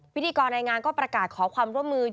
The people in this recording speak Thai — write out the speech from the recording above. พิธีกรในงานก็ประกาศขอความร่วมมือ